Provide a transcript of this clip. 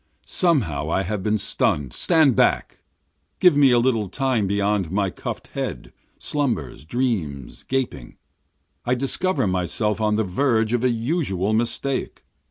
Somehow I have been stunn'd. Stand back! Give me a little time beyond my cuff'd head, slumbers, dreams, gaping, I discover myself on the verge of a usual mistake.